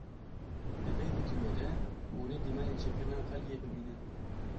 Di vê vîdyoyê de hûn ê dîmenên çêkirina qeliyê bibînin.